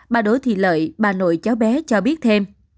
bà đối thì lợi bà nội cháu bé cho biết thêm